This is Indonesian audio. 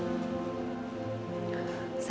saya cuma meminta sila